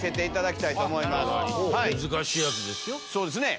難しいやつですよ。